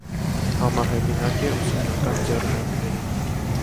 Համահեղինակ է ուսումնական ձեռնարկների։